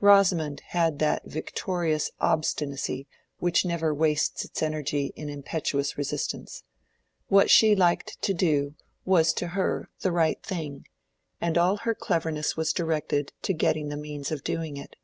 Rosamond had that victorious obstinacy which never wastes its energy in impetuous resistance. What she liked to do was to her the right thing, and all her cleverness was directed to getting the means of doing it.